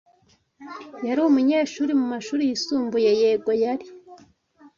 "Yari umunyeshuri mu mashuri yisumbuye?" "Yego, yari."